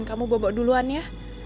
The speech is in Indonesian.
kamu bawa bawa duluan ya